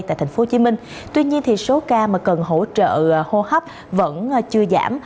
tại tp hcm tuy nhiên thì số ca mà cần hỗ trợ hô hấp vẫn chưa giảm